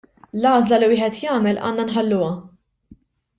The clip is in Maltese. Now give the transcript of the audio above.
L-għażla li wieħed jagħmel għandna nħalluha.